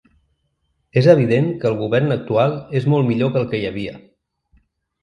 És evident que el govern actual és molt millor que el que hi havia.